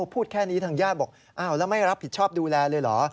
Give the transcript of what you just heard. พูดแค่นี้ทางญาติบอกอ้าวแล้วไม่รับผิดชอบดูแลเลยเหรอ